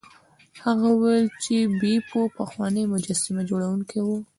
هغه وویل چې بیپو پخوانی مجسمه جوړونکی و.